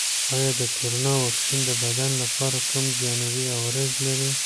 آیا د کرونا واکسین د بدن لپاره کوم جانبي عوارض لري؟